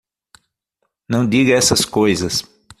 Não diga essas coisas!